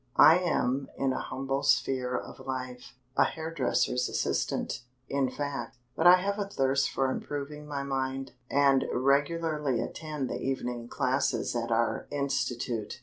I am in a humble sphere of life a hairdresser's assistant, in fact; but I have a thirst for improving my mind, and regularly attend the evening classes at our institute.